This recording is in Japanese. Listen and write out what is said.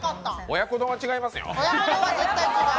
親子丼は違いますよ？